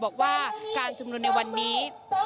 บอกว่าการชุมนุมในวันนี้